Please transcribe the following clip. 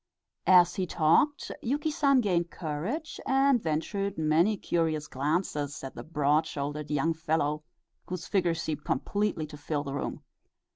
As he talked Yuki San gained courage, and ventured many curious glances at the broad shouldered young fellow, whose figure seemed completely to fill the room.